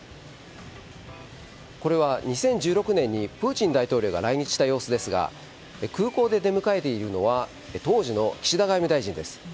これは２０１６年にプーチン大統領が来日した様子ですが空港で出迎えているのは当時の岸田外務大臣です。